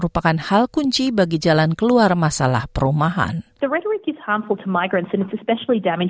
dan banyak orang yang membangun rumah itu sebenarnya orang dari luar negara